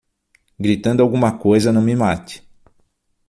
Gritando alguma coisa, não me mate